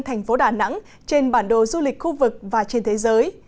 thành phố đà nẵng trên bản đồ du lịch khu vực và trên thế giới